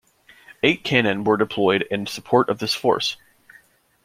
Eight cannon were deployed in support of this force.